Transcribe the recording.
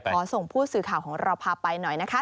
ขอส่งผู้สื่อข่าวของเราพาไปหน่อยนะคะ